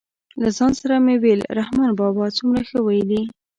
له ځان سره مې ویل رحمان بابا څومره ښه ویلي.